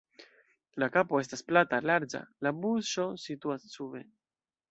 La kapo estas plata, larĝa, la buŝo situas sube.